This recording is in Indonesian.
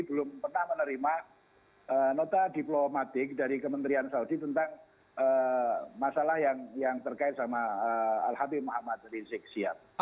belum pernah menerima nota diplomatik dari kementerian saudi tentang masalah yang terkait sama al habib muhammad rizik sihab